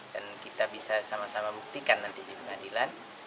dan kita bisa sama sama buktikan nanti di pengadilan